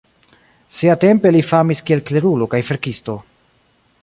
Siatempe li famis kiel klerulo kaj verkisto.